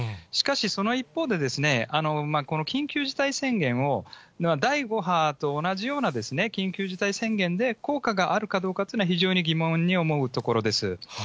しかし、その一方で、この緊急事態宣言を、第５波と同じような緊急事態宣言で、効果があるかどうかっていうのは、非常に疑問に思うところです。